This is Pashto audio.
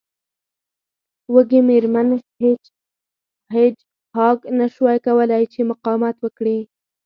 وږې میرمن هیج هاګ نشوای کولی چې مقاومت وکړي